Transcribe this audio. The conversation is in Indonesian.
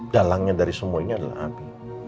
dalangnya dari semuanya adalah abi